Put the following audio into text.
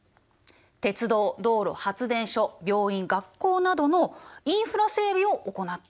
鉄道道路発電所病院学校などのインフラ整備を行った。